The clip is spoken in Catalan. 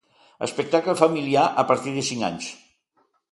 Espectacle familiar, a partir de cinc anys.